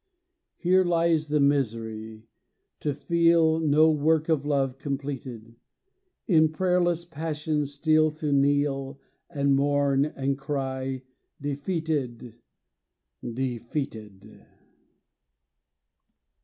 Here lies the misery, to feel No work of love completed; In prayerless passion still to kneel, And mourn, and cry: "Defeated Defeated!"